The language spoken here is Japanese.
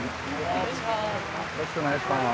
よろしくお願いします。